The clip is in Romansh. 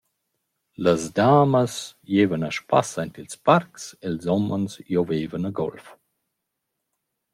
Las damas giaivan a spass aint ils parcs e’l homens giovaivan a golf.»